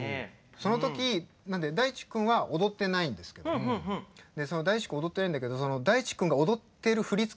その時大知君は踊ってないんですけど大知君踊ってないんだけどその大知君が踊ってる振り付け